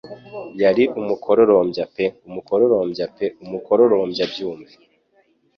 yari umukororombya pe umukororombya pe umukororombya byumve